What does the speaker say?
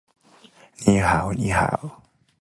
梅罗内。